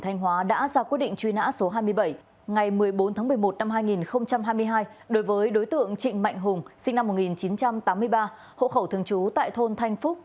ngày một mươi bốn một mươi một hai nghìn hai mươi hai đối với đối tượng trịnh mạnh hùng sinh năm một nghìn chín trăm tám mươi ba hộ khẩu thương chú tại thôn thanh phúc